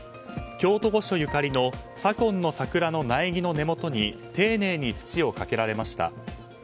京都御所ゆかりの左近の桜の苗木の根元に丁寧に土をかけられました。